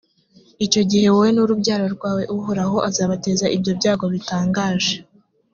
icyo gihe, wowe n’urubyaro rwawe, uhoraho azabateza ibyo byago bitangaje,